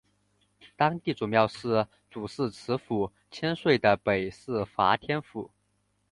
当地庄庙是主祀池府千岁的北势代天府。